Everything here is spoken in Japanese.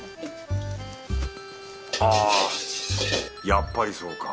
あぁやっぱりそうか。